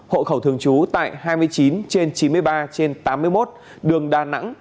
hộ khẩu thường trú tại hai mươi chín trên chín mươi ba trên tám mươi một đường đà nẵng